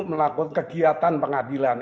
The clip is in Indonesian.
melakukan kegiatan pengadilan